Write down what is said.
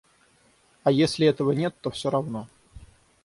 А если этого нет, то всё равно.